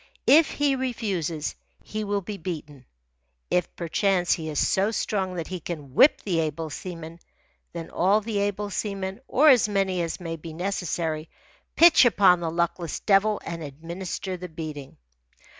If he refuses, he will be beaten. If, perchance, he is so strong that he can whip the able seaman, then all the able seamen, or as many as may be necessary, pitch upon the luckless devil and administer the beating.